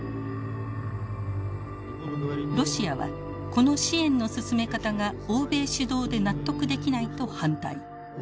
ロシアは「この支援の進め方が欧米主導で納得できない」と反対。